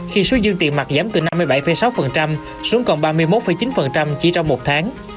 khi số dương tiền mặt giảm từ năm mươi bảy sáu xuống còn ba mươi một chín chỉ trong một tháng